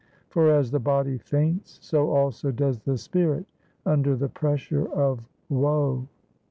For, as the body faints, so also does the spirit under the pressure of woe.